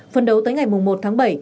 phần đầu tới ngày một tháng bảy